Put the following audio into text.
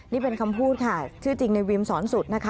นี่เป็นคำพูดค่ะชื่อจริงในวิมสอนสุดนะคะ